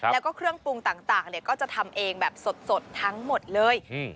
แล้วก็เครื่องปรุงต่างเนี่ยก็จะทำเองแบบสดทั้งหมดเลย